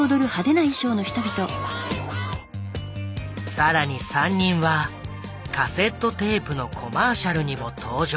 更に３人はカセットテープのコマーシャルにも登場。